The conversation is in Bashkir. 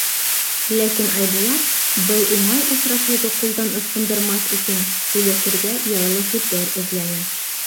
Ләкин Айбулат, был уңай осрашыуҙы ҡулдан ысҡындырмаҫ өсөн, һөйләшергә яйлы һүҙҙәр эҙләне: